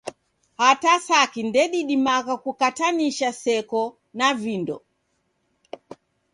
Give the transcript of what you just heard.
Hata saki ndedimagha kukatanisha seko na vindo.